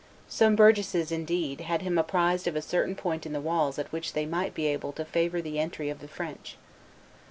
Some burgesses, indeed, had him apprised of a certain point in the walls at which they might be able to favor the entry of the French.